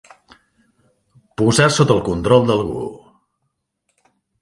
Posar sota el control d'algú.